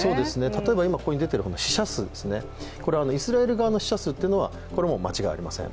例えば今出ている死者数これはイスラエル側の死者数というのはこれは間違いありません。